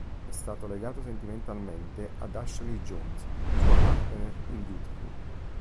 È stato legato sentimentalmente ad Ashley Jones, sua partner in Beautiful.